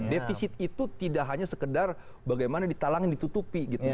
defisit itu tidak hanya sekedar bagaimana ditalangin ditutupi gitu ya